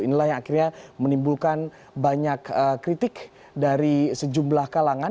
inilah yang akhirnya menimbulkan banyak kritik dari sejumlah kalangan